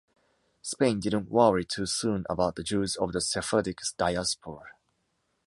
Spain didn’t worry too soon about the Jews of the Sephardic Diaspora.